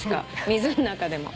水の中でも。